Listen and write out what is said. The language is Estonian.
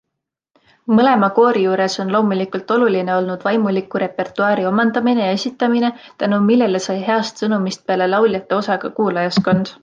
Mõlema koori juures on loomulikult oluline olnud vaimuliku repertuaari omandamine ja esitamine, tänu millele sai heast sõnumist peale lauljate osa ka kuulajaskond.